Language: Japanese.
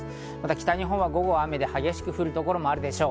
北日本は午後は雨で激しく降る所もあるでしょう。